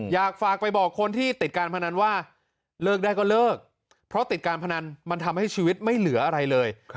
อยากฝากไปบอกคนที่ติดการพนันว่าเลิกได้ก็เลิกเพราะติดการพนันมันทำให้ชีวิตไม่เหลืออะไรเลย